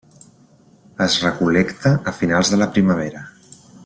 Es recol·lecta a finals de la primavera.